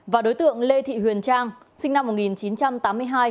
và đối tượng lê thị huyền trang sinh năm một nghìn chín trăm tám mươi hai